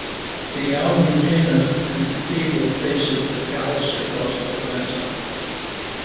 The Almudena Cathedral faces the palace across the plaza.